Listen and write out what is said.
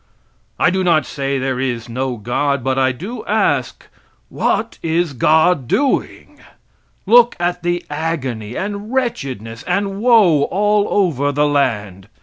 I do not say there is no God, but I do ask, what is God doing? Look at the agony, and wretchedness and woe all over the land.